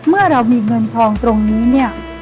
เมื่อเรามีเงินทองตรงนี้เนี่ย